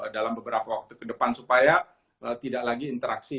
dalam beberapa waktu ke depan supaya tidak lagi interaksi